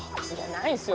ないっすよ。